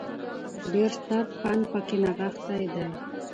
ډېر ستر پند په کې نغښتی دی